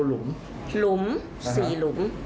รูสีหลุม